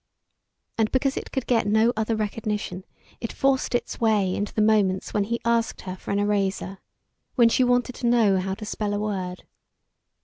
And because it could get no other recognition it forced its way into the moments when he asked her for an eraser, when she wanted to know how to spell a word.